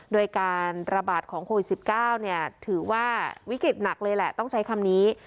โดยการระบาดของโควิด๑๙ถือว่าวิกฤตหนักเลยแหละต้องใช้คำนี้